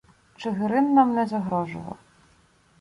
Чигирин нам не загрожував.